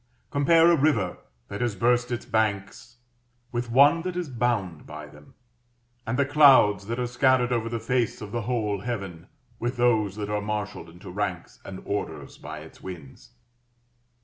Compare a river that has burst its banks with one that is bound by them, and the clouds that are scattered over the face of the whole heaven with those that are marshalled into ranks and orders by its winds.